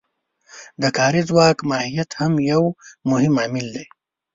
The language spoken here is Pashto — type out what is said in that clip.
د کاري ځواک ماهیت هم یو مهم عامل دی